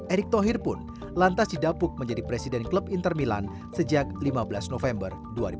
erick thohir pun lantas didapuk menjadi presiden klub inter milan sejak lima belas november dua ribu dua puluh